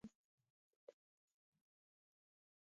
د هرات جمعې مسجد د غوري میناکاري لري